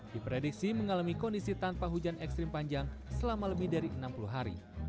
diprediksi mengalami kondisi tanpa hujan ekstrim panjang selama lebih dari enam puluh hari